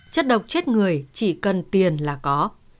chất độc chết người chỉ cần tiền là có